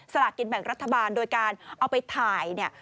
สลากินแบ่งรัฐบาลโดยการเอาไปถ่ายเนี่ย